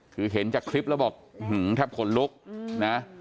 คือเห็นจากคลิปแล้วบอกแทบขนลุกนะ